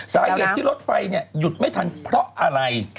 สาเหตุที่รถไฟหยุดไม่ทันเพราะอะไร